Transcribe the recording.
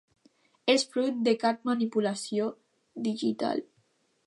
És fruit de cap manipulació digital.